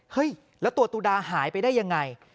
เฮ้ยแล้วตัวตุดาหายไปได้ยังไง